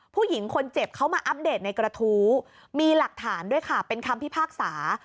ผู้หญิงคนเจ็บเขามาอัปเดตในกระทู้มีหลักฐานด้วยค่ะเป็นคำพิพากษา